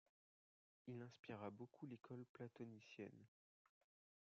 Il inspira beaucoup l'école platonicienne.